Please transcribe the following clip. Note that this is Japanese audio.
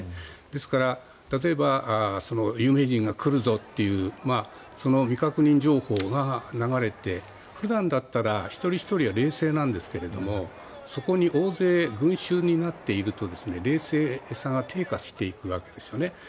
ですから、例えば有名人が来るぞというその未確認情報が流れて普段だったら一人ひとりは冷静なんですけどもそこに大勢、群衆になっていると冷静さが低下していくわけですよね。